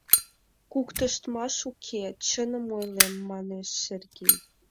— Куктыштмаш уке, чыным ойлем, — манеш Сергей.